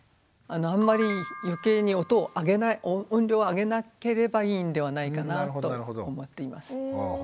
あんまり余計に音量を上げなければいいんではないかなと思っています。